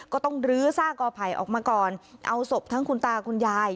ก็ต้องลื้อซากกอไผ่ออกมาก่อนเอาศพทั้งคุณตาคุณยาย